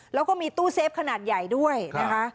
แล้วก็มีตู้เซฟขนาดใหญ่ด้วยนะคะ